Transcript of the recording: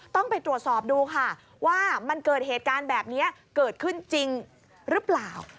ต้องไปตรวจสอบดูค่ะว่ามันเกิดเหตุการณ์แบบนี้เกิดขึ้นจริงหรือเปล่า